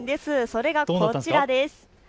それがこちらです。